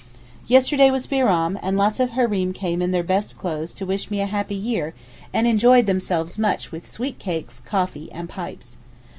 Yesterday was Bairam, and lots of Hareem came in their best clothes to wish me a happy year and enjoyed themselves much with sweet cakes, coffee, and pipes.